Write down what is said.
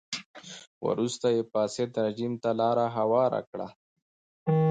وروسته یې فاسد رژیم ته لار هواره کړه.